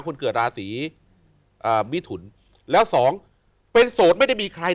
คนเกิดราศีมิถุนแล้วสองเป็นโสดไม่ได้มีใคร